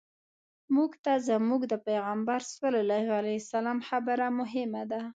موږ ته زموږ د پیغمبر صلی الله علیه وسلم خبره مهمه ده.